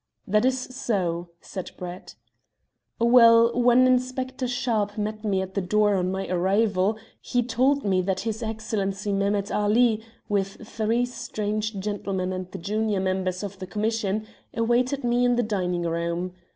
"That is so," said Brett. "Well, when Inspector Sharpe met me at the door on my arrival he told me that his Excellency Mehemet Ali, with three strange gentlemen and the junior members of the commission, awaited me in the dining room.